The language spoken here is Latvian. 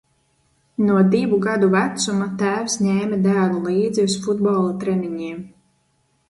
No divu gadu vecuma tēvs ņēma dēlu līdzi uz futbola treniņiem.